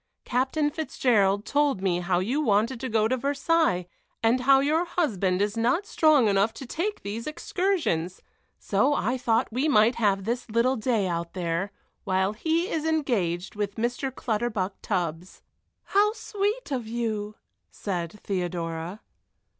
Captain Fitzgerald told me how you wanted to go to Versailles, and how your husband is not strong enough to take these excursions, so I thought we might have this little day out there, while he is engaged with Mr. Clutterbuck Tubbs." "How sweet of you!" said Theodora.